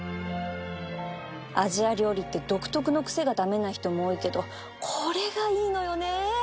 アジア料理って独特の癖が駄目な人も多いけどこれがいいのよね